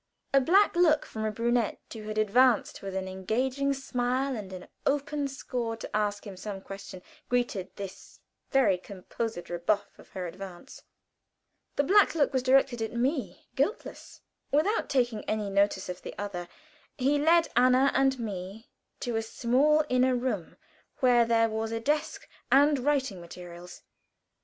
A black look from a pretty brunette, who had advanced with an engaging smile and an open score to ask him some question, greeted this very composed rebuff of her advance. The black look was directed at me guiltless. Without taking any notice of the other, he led Anna and me to a small inner room, where there was a desk and writing materials.